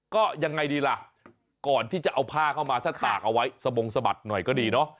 ก็ยังไงดีล่ะก่อนที่จะเอาผ้าเข้ามาถ้าตากเอาไว้สะบงสะบัดหน่อยก็ดีเนาะ